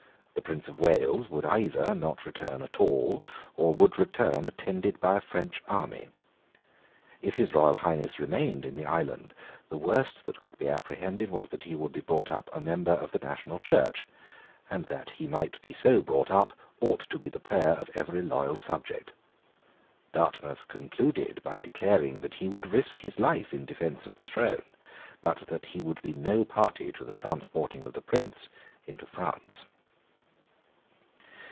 The Prince of Wales would either not return at all, or would return attended by a French army. If His Royal Highness remained in the island, the worst that could be apprehended was that he would be brought up a member of the national Church; and that he might be so brought up ought to be the prayer of every loyal subject. Dartmouth concluded by declaring that he would risk his life in defence of the throne, but that he would be no party to the transporting of the Prince into France.